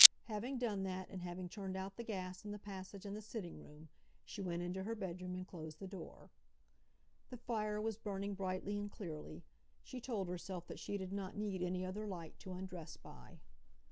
Having done that, and having turned out the gas in the passage and the sitting room, she went into her bedroom and closed the door. The fire was burning brightly and clearly. She told herself that she did not need any other light to undress by.